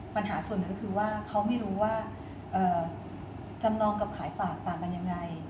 ปัญหาส่วนหนึ่งก็คือว่าเขาไม่รู้ว่าจำนองกับขายฝากต่างกันยังไง